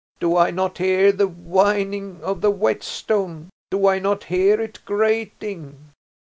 "Do I not hear the whining of the whetstone, do I not hear it grating?"